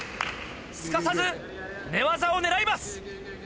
すかさず寝技を狙います。